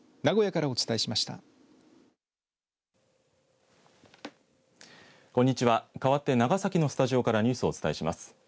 かわって長崎のスタジオからニュースをお伝えします。